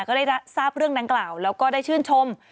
ก็ได้ทราบเรื่องดังกล่าวแล้วก็ได้ชื่นชม